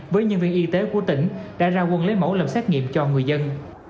với nhân viên y tế của tỉnh đã ra quân lấy mẫu làm xét nghiệm cho người dân